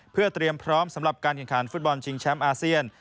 เพื่อเตรียมพร้อมสำหรับการแข่งขันฟุตบอลชิงแชมป์อาเซียน